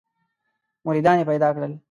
مریدان یې پیدا کړل.